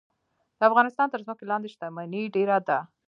د افغانستان تر ځمکې لاندې شتمني ډیره ده